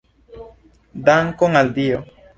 Dankon al Dio!